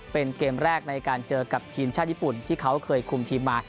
เป็นเกมแรกในการเจอกับทีมชาติญี่ปุ่นที่เขาเคยคุมทีมมา